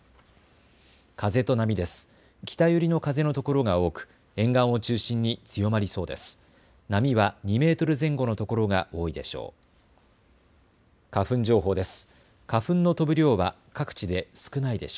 風と波です。